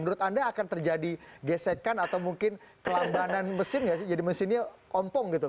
menurut anda akan terjadi gesekan atau mungkin kelambanan mesin nggak sih jadi mesinnya ompong gitu